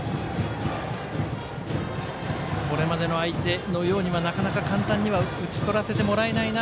これまでの相手のようには簡単には打ち取らせてはもらえないな。